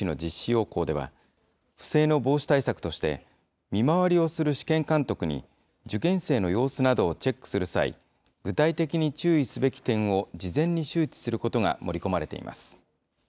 要綱では、不正の防止対策として、見回りをする試験監督に、受験生の様子などをチェックする際、具体的に注意すべき点を事前に周知することが盛り込まれています。